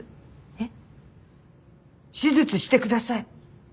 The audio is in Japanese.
えっ？手術してください。